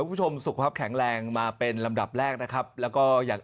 คุณผู้ชมสุขภาพแข็งแรงมาเป็นลำดับแรกนะครับแล้วก็อยาก